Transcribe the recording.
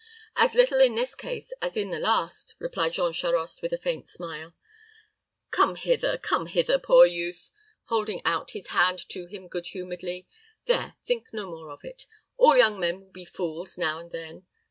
"As little in this case as in the last," replied Jean Charost, with a faint smile. "Come hither, come hither, poor youth," cried the duke, holding out his hand to him good humoredly. "There; think no more of it. All young men will be fools now and then.